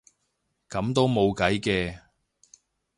噉都冇計嘅